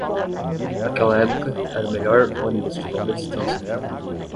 Naquela época, era o melhor ônibus de longa distância no Japão.